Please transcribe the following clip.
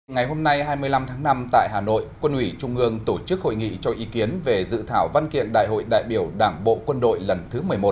ngày hôm nay hai mươi năm tháng năm tại hà nội quân ủy trung ương tổ chức hội nghị cho ý kiến về dự thảo văn kiện đại hội đại biểu đảng bộ quân đội lần thứ một mươi một